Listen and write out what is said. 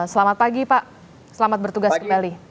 selamat pagi pak selamat bertugas kembali